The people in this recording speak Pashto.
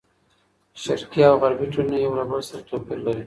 شرقي او غربي ټولنې یو له بل سره توپیر لري.